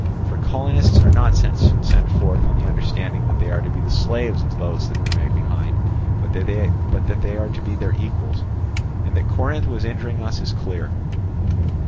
For colonists are not sent forth on the understanding that they are to be the slaves of those that remain behind, but that they are to be their equals. And that Corinth was injuring us is clear.